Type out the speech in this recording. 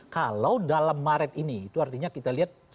kalau dalam maret ini itu artinya kita lihat